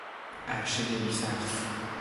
عرشهی بیسقف